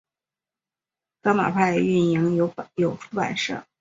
革马派运营有出版社。